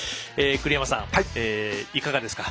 栗山さん、いかがですか？